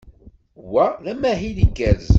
Wa d amahil igerrzen.